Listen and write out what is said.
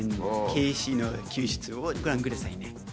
決死の救出をご覧ください。